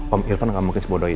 om irfan gak mungkin sebodoh itu